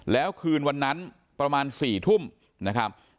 แล้วคืนวันนั้นประมาณ๔ทุ่มนะครับ